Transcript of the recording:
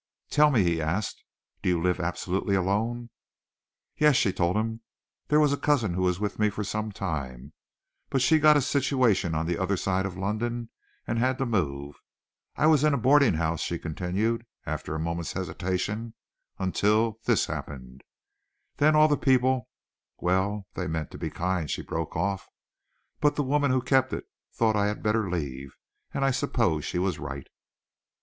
"Tell me," he asked, "do you live absolutely alone?" "Yes!" she told him. "There was a cousin who was with me for some time, but she got a situation the other side of London, and had to move. I was in a boarding house," she continued, after a moment's hesitation, "until this happened. Then all the people well, they meant to be kind," she broke off, "but the woman who kept it thought I had better leave, and I suppose she was right."